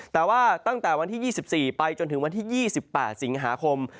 แต่ว่าตั้งแต่วันที่๒๔ไปจนถึงวันที่๒๘สิงหาคม